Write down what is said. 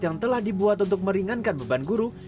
yang telah dibuat untuk meringankan beban guru